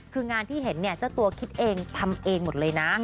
คืองานที่เห็นเนี่ยเจ้าตัวคิดเองทำเองหมดเลยนะ